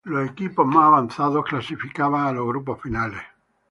Los equipos más avanzados clasificaban a los grupos finales.